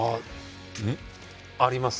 あります。